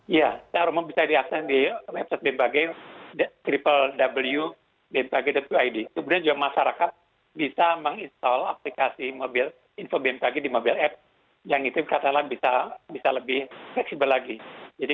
iya secara umum bisa diakses di website bmphg www bmphg id